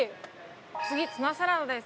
次ツナサラダです。